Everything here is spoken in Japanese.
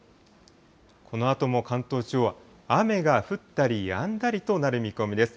このあとも関東地方は雨が降ったりやんだりとなる見込みです。